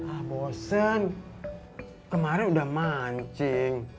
ah bosen kemarin udah mancing